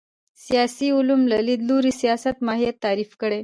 سیاسي علومو له لید لوري سیاست ماهیت تعریف شي